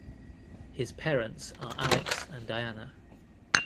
His parents are Alex and Diana.